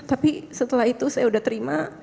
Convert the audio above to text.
tapi setelah itu saya sudah terima